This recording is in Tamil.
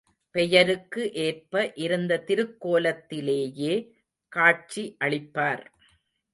பெயருக்கு ஏற்ப இருந்த திருக்கோலத்திலேயே காட்சி அளிப்பார்.